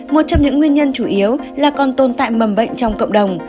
một trong những nguyên nhân chủ yếu là còn tồn tại mầm bệnh trong cộng đồng